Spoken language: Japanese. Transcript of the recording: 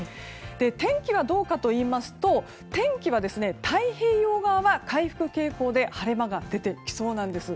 天気はどうかといいますと天気は、太平洋側は回復傾向で晴れ間が出てきそうなんです。